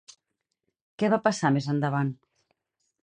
Què va passar més endavant?